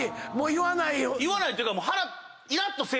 言わないというか。